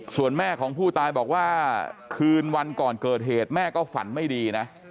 ส่วนแม่ของผู้ตายบอกว่าคืนวันก่อนเกิดเหตุแม่ก็ฝันไม่ดีนะ